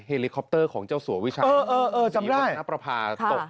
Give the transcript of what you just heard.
เลิคอปเตอร์ของเจ้าสัววิชัยที่คุณนประพาตก